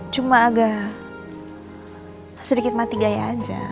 cuma agak sedikit mati gaya aja